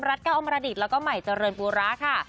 เก้าอมรดิตแล้วก็ใหม่เจริญปูระค่ะ